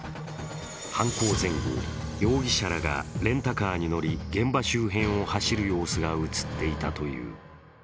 犯行前後、容疑者らがレンタカーに乗り現場周辺を走る様子が映っていたという。